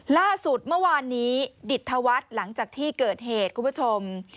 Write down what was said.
ล่าสุดเมื่อวานนี้ดิตธวัฒน์หลังจากที่เกิดเหตุคุณผู้ชม